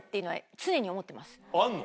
あんの？